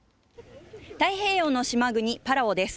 太平洋の島国、パラオです。